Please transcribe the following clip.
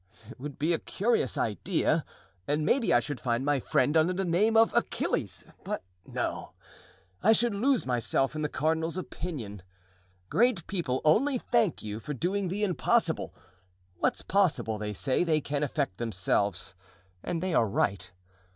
It would be a curious idea, and maybe I should find my friend under the name of Achilles. But, no! I should lose myself in the cardinal's opinion. Great people only thank you for doing the impossible; what's possible, they say, they can effect themselves, and they are right.